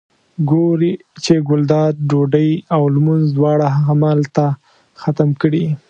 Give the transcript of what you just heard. ګوري چې ګلداد ډوډۍ او لمونځ دواړه همدلته ختم کړي.